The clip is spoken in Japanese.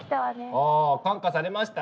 ああ感化されました？